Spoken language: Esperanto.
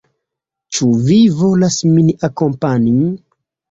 Ĉu vi volas min akompani?